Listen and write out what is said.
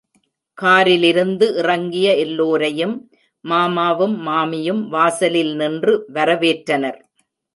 காரிலிருந்து இறங்கிய எல்லோரையும் மாமாவும், மாமியும் வாசலில் நின்று வரவேற்றனர்.